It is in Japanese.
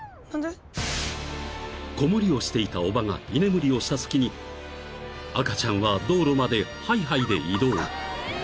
［子守をしていたおばが居眠りをした隙に赤ちゃんは道路までハイハイで移動］